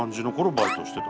バイトしてた。